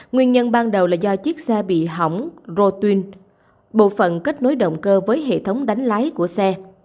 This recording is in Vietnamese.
nguyên nhân ban đầu là do chiếc xe bị hỏng rotin bộ phận kết nối động cơ với hệ thống đánh lái của xe